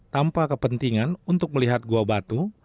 tanpa kepentingan untuk melihat gua batu